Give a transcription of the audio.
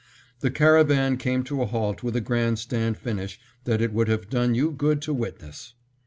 The caravan came to a halt with a grandstand finish that it would have done you good to witness.